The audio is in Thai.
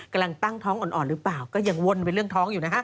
กำลังตั้งท้องอ่อนหรือเปล่าก็ยังวนไปเรื่องท้องอยู่นะฮะ